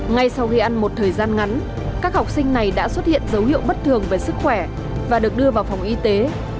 ngay sau khi ăn một thời gian ngắn các học sinh này đã xuất hiện dấu hiệu bất thường về sức khỏe và được đưa vào phòng y tế